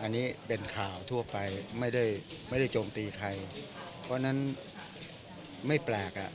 อันนี้เป็นข่าวทั่วไปไม่ได้ไม่ได้โจมตีใครเพราะฉะนั้นไม่แปลกอ่ะ